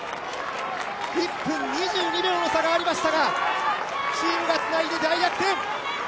１分２２秒の差がありましたが、チームがつないで大逆転。